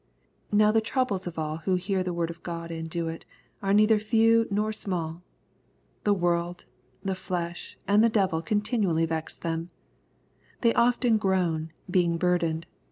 Now the troubles of all who " hear the word of God and do it " are neither few nor small. The world, the flesh, and the devil continually vex them. They often groan, being burdened.